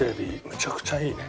めちゃくちゃいいね。